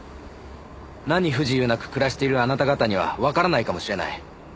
何不自由なく暮らしているあなた方にはわからないかもしれない。